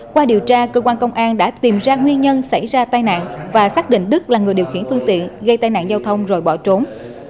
qua điều tra cơ quan công an đã tìm ra nguyên nhân xảy ra tai nạn và xác định đức là người điều khiển phương tiện gây tai nạn giao thông rồi bỏ trốn